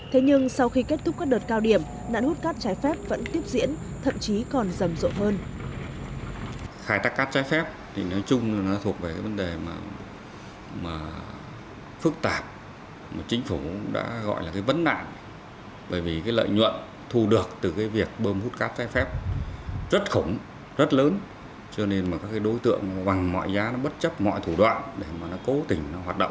thế nhưng sau khi kết thúc các đợt cao điểm nạn hút cát trái phép vẫn tiếp diễn thậm chí còn rầm rộ hơn